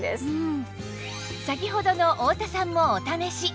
先ほどの太田さんもお試し